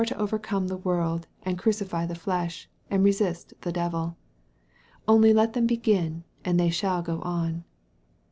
to overcome the world, and crucify the flesh, and resist the devil. Only let them begin, and they shall go on.